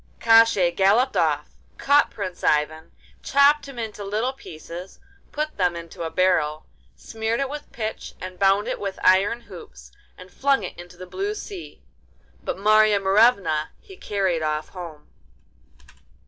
Koshchei galloped off, caught Prince Ivan, chopped him into little pieces, put them into a barrel, smeared it with pitch and bound it with iron hoops, and flung it into the blue sea. But Marya Morevna he carried off home.